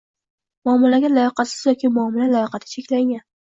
Muomalaga layoqatsiz yoki muomala layoqati cheklangan